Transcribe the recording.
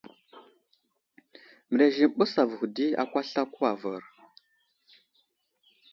Mərez i məɓəs avuhw di akwaslako avər.